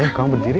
rem kamu berdiri